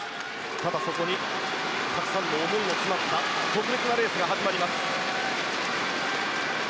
ただそこにたくさんの思いが詰まった特別なレースが始まります。